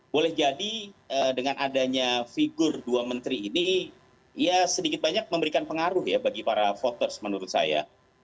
boleh jadi dengan adanya figur dua menteri ini ya sedikit banyak memberikan pengaruh ya bagi para voters menurut saya